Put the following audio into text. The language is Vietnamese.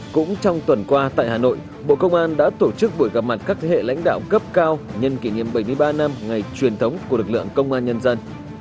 cũng trong tuần qua tại hà nội bộ công an đã tổ chức buổi gặp mặt các thế hệ lãnh đạo cấp cao nhân kỷ niệm bảy mươi ba năm ngày truyền thống của lực lượng công an nhân dân